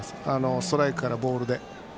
ストライクからボールで。